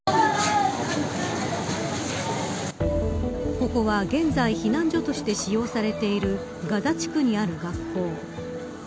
ここは現在避難所として使用されているガザ地区にある学校。